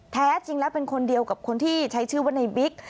แท้จริงแล้วเป็นคนเดียวกับคนที่ใช้ชื่อว่าในบิ๊ก